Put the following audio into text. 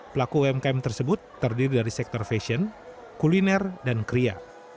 pelaku umkm tersebut terdiri dari sektor fashion kuliner dan kria